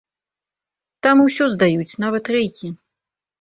Там усё здаюць, нават рэйкі.